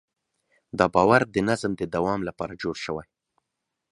دا باور د نظم د دوام لپاره جوړ شوی.